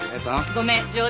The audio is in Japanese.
ごめん冗談。